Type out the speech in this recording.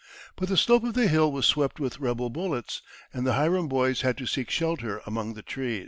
But the slope of the hill was swept with rebel bullets, and the Hiram boys had to seek shelter among the trees.